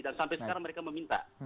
dan sampai sekarang mereka meminta